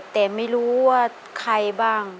แต่ไม่รู้ว่าใครบ้าง